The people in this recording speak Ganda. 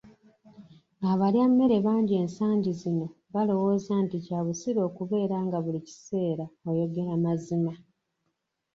Abalyammere bangi ensangi zino balowooza nti kya busilu okubeera nga buli kiseera oyogera mazima.